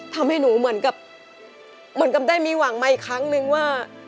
ทำให้หนูเหมือนกับได้มีหวังมาอีกครั้งหนึ่งว่า